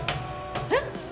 えっ！？